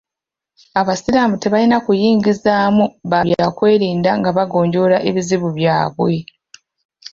Abasiraamu tebalina kuyingizaamu babyakwerinda nga bagonjoola ebizibu byabwe.